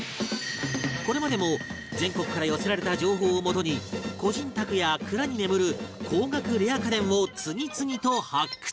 これまでも全国から寄せられた情報をもとに個人宅や蔵に眠る高額レア家電を次々と発掘